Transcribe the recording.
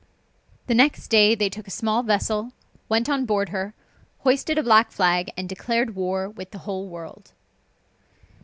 The next day they took a small vessel, went on board her, hoisted a black flag, and declared war with the whole world.